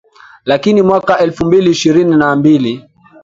Lakini mwaka elfu mbili ishirini na mbili